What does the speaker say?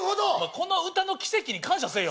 この歌の奇跡に感謝せえよ